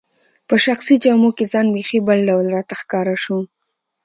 په شخصي جامو کي ځان بیخي بل ډول راته ښکاره شو.